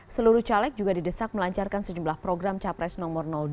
seluruh caleg juga didesak melancarkan sejumlah program capres nomor dua